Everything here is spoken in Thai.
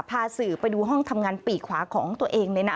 พาสื่อไปดูห้องทำงานปีกขวาของตัวเองเลยนะ